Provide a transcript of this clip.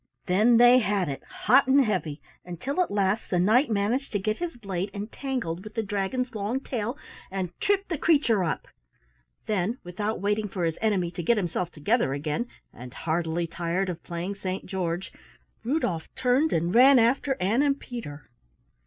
Then they had it hot and heavy until at last the knight managed to get his blade entangled with the dragon's long tail, and tripped the creature up. Then, without waiting for his enemy to get himself together again and heartily tired of playing Saint George, Rudolf turned and ran after Ann and Peter.